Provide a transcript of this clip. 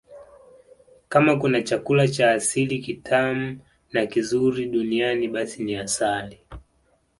Kama kuna chakula cha asili kitamu na kizuri duniani basi ni asali